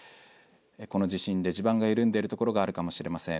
この地震で地盤が緩んでいる所があるかもしれません。